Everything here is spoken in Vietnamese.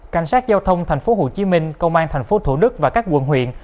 cảnh sát giao thông tp hcm công an tp thủ đức và các quận huyện